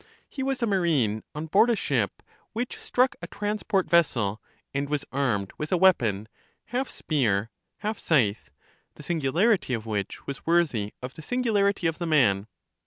He was a marine on board a ship, which struck a transport vessel, and was armed with a weapon, half spear, half scythe, the singularity of which was worthy of the singularity of the man.